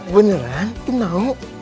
beneran aku mau